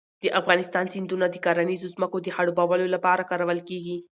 د افغانستان سیندونه د کرنیزو ځمکو د خړوبولو لپاره کارول کېږي.